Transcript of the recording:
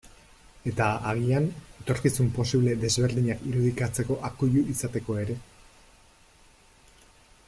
Eta, agian, etorkizun posible desberdinak irudikatzeko akuilu izateko ere.